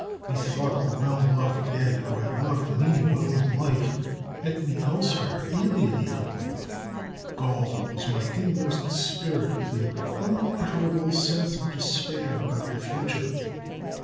Methought the well loved dead, who had loved ME well in life, met me elsewhere alienated; galled was my inmost spirit with an unutterable sense of despair about the future.